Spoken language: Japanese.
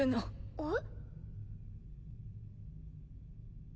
えっ？